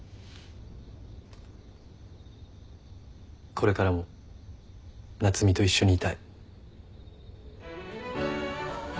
これからも夏海と一緒にいたい。